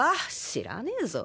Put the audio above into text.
知らねぇぞ。